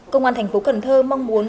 công an thành phố cần thơ mong muốn